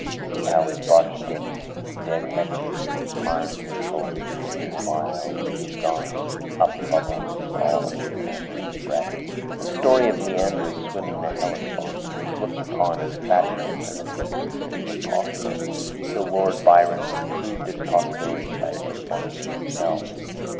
see how his body dips Dead heavy; arms and shoulders gleam awhile; He's gone; up bubbles all his amorous breath!" The story of Leander's swimming the Hellespont was looked upon as fabulous, and the feat considered impossible, till Lord Byron proved its possibility by performing it himself.